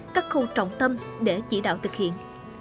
các khâu trọng tâm để chỉ đạo thực hiện